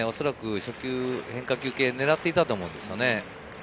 初球、変化球系ねらっていたと思うんですよね。